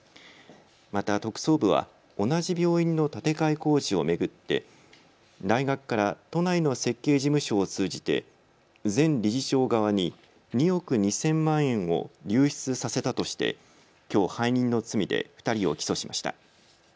また特捜部は同じ病院の建て替え工事を巡って大学から都内の設計事務所を通じて前理事長側に２億２０００万円を流出させたとしてきょう、背任の罪で２人を起訴しました。